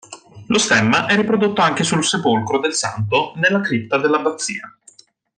Lo stemma è riprodotto anche sul sepolcro del Santo nella cripta dell'Abbazia.